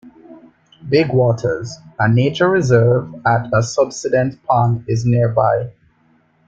Big Waters, a nature reserve at a subsidence pond, is nearby.